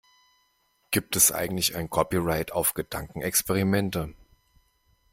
Gibt es eigentlich ein Copyright auf Gedankenexperimente?